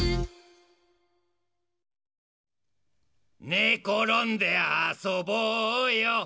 「ねころんであそぼうよ」